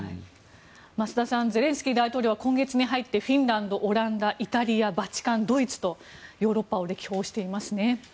増田さんゼレンスキー大統領は今月に入ってフィンランドオランダ、イタリアバチカン、ドイツとヨーロッパを歴訪していますね。